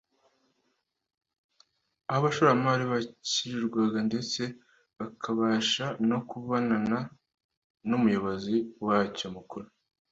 aho abashoramari bakirirwa ndetse bakabasha no kubonana n’umuyobozi wacyo mukuru